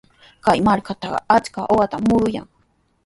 Kay markatrawqa achka uqatami muruyan.